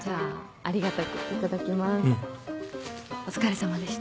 お疲れさまでした。